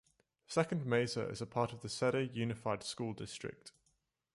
Second Mesa is a part of the Cedar Unified School District.